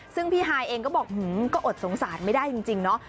ซึ่งพี่ฮายเองก็บอกก็อดสงสารไม่ได้จริงเนาะ